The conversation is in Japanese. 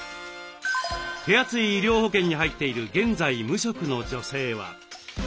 手厚い医療保険に入っている現在無職の女性は。